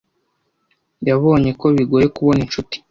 Yabonye ko bigoye kubona inshuti.